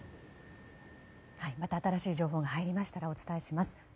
また新しい情報が入りましたらお伝えします。